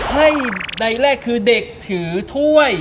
ให้ใดแรกคือเด็กถือถ้วย